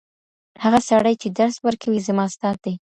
هغه سړی چي درس ورکوي زما استاد دی.